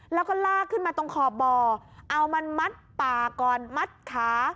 แล้วก็ลากขึ้นมาตรงขอบบ่อเอามันมัดปากก่อนมัดขา